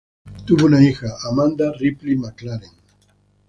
Tuvo una hija, Amanda Ripley-McClaren.